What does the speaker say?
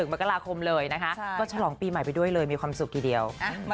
มกราคมเลยนะคะก็ฉลองปีใหม่ไปด้วยเลยมีความสุขทีเดียว